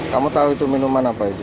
kamu tahu itu minuman apa itu